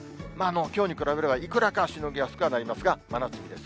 きょうに比べればいくらかしのぎやすくはなりますが、真夏日です。